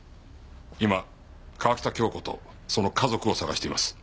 今川喜多京子とその家族を捜しています。